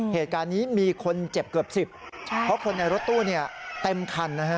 เหตุการณ์นี้มีคนเจ็บเกือบ๑๐เพราะคนในรถตู้เนี่ยเต็มคันนะฮะ